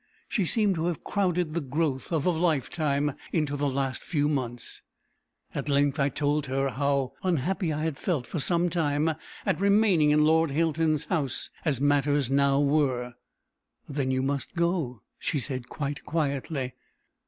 She seemed to have crowded the growth of a lifetime into the last few months. At length I told her how unhappy I had felt for some time, at remaining in Lord Hilton's house, as matters now were. "Then you must go," she said, quite quietly.